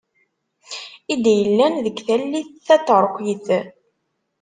I d-yellan deg tallit taterkit.